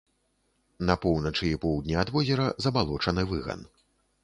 На поўначы і поўдні ад возера забалочаны выган.